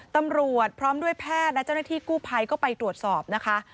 ตำรวจพร้อมด้วยแพทย์และเจ้าหน้าที่กู้ภัยก็ไปตรวจสอบนะคะ